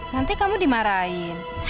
nanti kamu dimarahin